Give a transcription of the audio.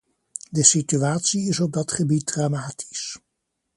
De situatie is op dat gebied dramatisch.